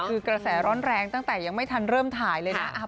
คือกระแสร้อนแรงตั้งแต่ยังไม่ทันเริ่มถ่ายเลยนะ